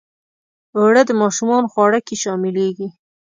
اوړه د ماشومانو خواړه کې شاملیږي